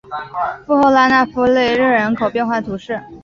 富后拉讷夫维勒人口变化图示